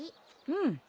うん。